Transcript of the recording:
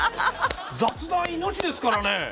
雑談命ですからね。